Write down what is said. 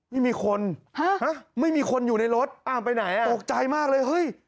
ไม่มีคนไม่มีคนอยู่ในรถตกใจมากเลยเฮ้ย